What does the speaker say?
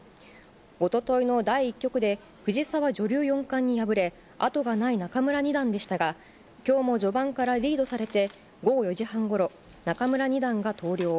おとといの第１局で藤沢女流四冠に敗れ、後がない仲邑二段でしたが、きょうも序盤からリードされて、午後４時半ごろ、仲邑二段が投了。